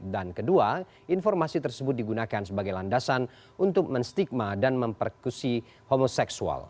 dan kedua informasi tersebut digunakan sebagai landasan untuk menstigma dan memperkusi homoseksual